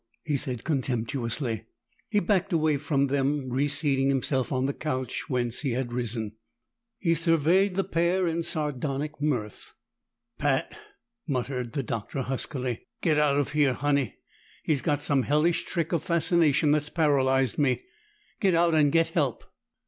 he said contemptuously. He backed away from them, re seating himself on the couch whence he had risen. He surveyed the pair in sardonic mirth. "Pat!" muttered the Doctor huskily. "Get out of here, Honey! He's got some hellish trick of fascination that's paralyzed me. Get out and get help!"